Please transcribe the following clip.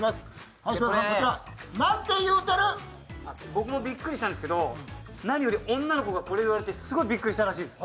僕もびっくりしたんですけど、何より女の子がこれを言われてすごいびっくりしたらしいです。